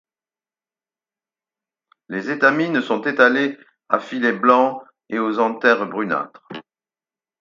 Les étamines sont étalées, à filets blanc et aux anthères brunâtres.